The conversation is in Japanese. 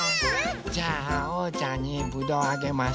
じゃあおうちゃんにぶどうあげます。